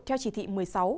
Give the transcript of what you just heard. theo chỉ thị một mươi sáu